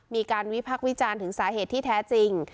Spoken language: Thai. มีการวิพักษ์วิจารณ์ถึงสาเหตุที่แท้จริง